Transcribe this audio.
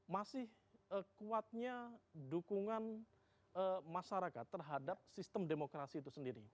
masih kuatnya dukungan masyarakat terhadap sistem demokrasi itu sendiri